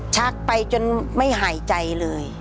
ชักไปจนไม่หายใจเลย